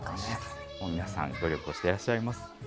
皆さん、努力をしていらっしゃいます。